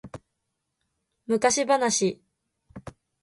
昔話